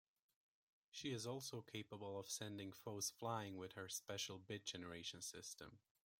She is also capable of sending foes flying with her special Bit Generation system.